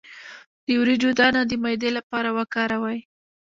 د وریجو دانه د معدې لپاره وکاروئ